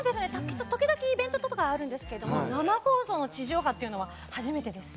時々イベントではあるんですけど生放送の地上波っていうのは初めてです。